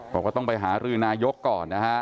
บอกว่าต้องไปหารือนายกก่อนนะฮะ